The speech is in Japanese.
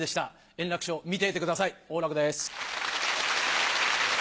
圓楽師匠見ていてください王楽です。